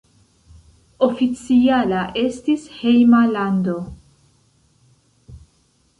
Oficiala estis hejma lando.